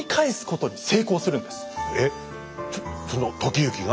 えっその時行が？